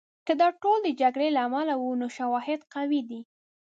که دا ټول د جګړې له امله وو، نو شواهد قوي دي.